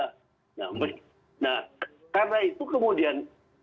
karena itu kemudian